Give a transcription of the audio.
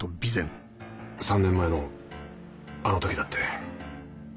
３年前のあの時だって。